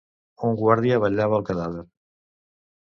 Un guàrdia vetllava el cadàver.